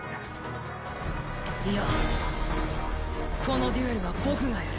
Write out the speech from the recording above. いやこのデュエルは僕がやる。